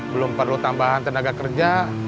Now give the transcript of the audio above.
belum perlu tambahan tenaga kerja